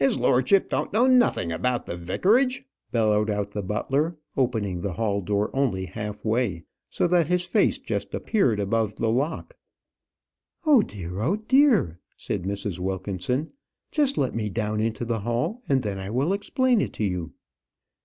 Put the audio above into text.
"His lordship don't know nothing about the vicarage," bellowed out the butler, opening the hall door only half way, so that his face just appeared above the lock. "Oh, dear! oh, dear!" said Mrs. Wilkinson. "Just let me down into the hall, and then I will explain it to you."